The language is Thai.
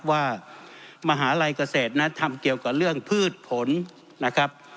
มหาลัยเกษตรนั้นทำเกี่ยวกับเรื่องพืชผลนะครับ